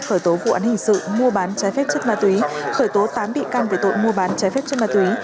khởi tố vụ án hình sự mua bán trái phép chất ma túy khởi tố tám bị can về tội mua bán trái phép chất ma túy